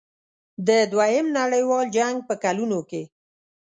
د دوهم نړیوال جنګ په کلونو کې.